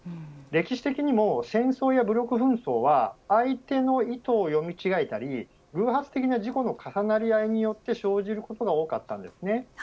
歴史的にも戦争や武力紛争は相手の意図を読み違えたり偶発的な事故の重なり合いによって生じることが多かったです。